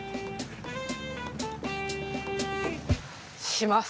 します。